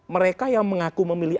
mereka yang mengaku memilih